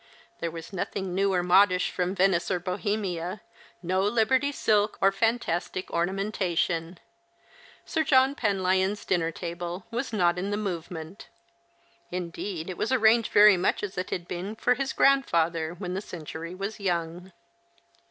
There was nothing new or modish from Venice or Bohemia, no Liberty silk or fantastic ornamentation. tSir John Penlyon's dinner table was not in the movement. Indeed, it was arranged very much as it had been for his grandfather when the centiu'y was young.